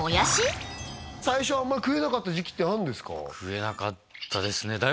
最初はあんま食えなかった時期ってあるんですか食えなかったですね